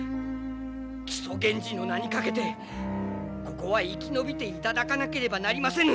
木曽源氏の名にかけてここは生き延びていただかなければなりませぬ！